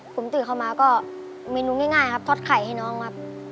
ผมตื่นเข้ามาก็เมนูง่ายครับทอดไข่ให้น้องครับ